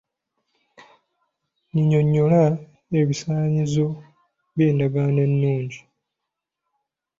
Nnyinyonnyola ebisaanyizo by'endagaano ennungi.